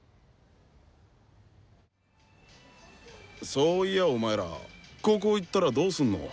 そういやお前ら高校行ったらどうすんの？